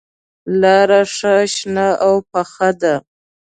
لاره ښه شنه او پوخه ده.